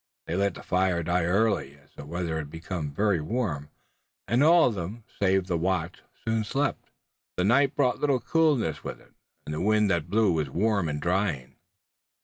They let the fire die early, as the weather had now become very warm, and all of them, save the watch soon slept. The night brought little coolness with it, and the wind that blew was warm and drying.